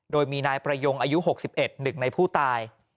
โดยมีนายประยงอายุ๖๑ในผู้ตาย